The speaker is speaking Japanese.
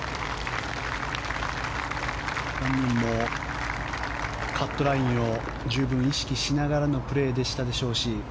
本人も、カットラインを十分意識しながらのプレーでしたでしょうし